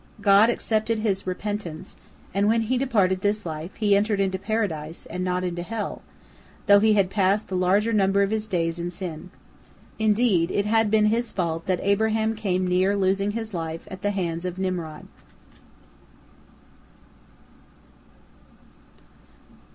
God accepted his repentance, and when he departed this life, he entered into Paradise, and not into hell, though he had passed the larger number of his days in sin. Indeed, it had been his fault that Abraham came near losing his life at the hands of Nimrod.